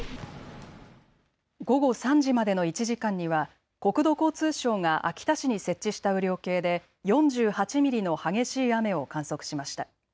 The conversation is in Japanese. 午後３時までの１時間には国土交通省が秋田市に設置した雨量計で４８ミリの激しい雨を観測しました。